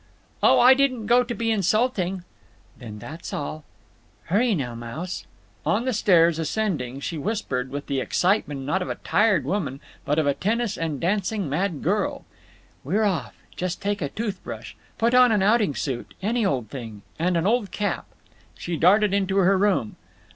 "Oh, I didn't go to be insulting—" "Then that's all…. Hurry now, Mouse!" On the stairs, ascending, she whispered, with the excitement not of a tired woman, but of a tennis and dancing mad girl: "We're off! Just take a tooth brush. Put on an outing suit—any old thing—and an old cap." She darted into her room.